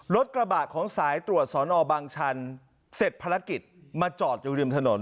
รถกระบะของสายตรวจสอนอบางชันเสร็จภารกิจมาจอดอยู่ริมถนน